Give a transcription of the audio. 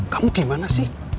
kamu gimana sih